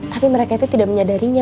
tapi mereka itu tidak menyadarinya